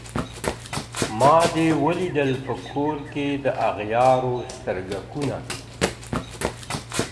ما دي ولیدل په کور کي د اغیارو سترګکونه.